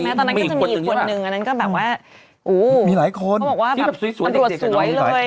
อีกมีคนหนึ่งอันนั้นก็แบบว่า